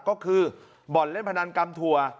ก็คือบ่อนเล่นพนันกำถั่ว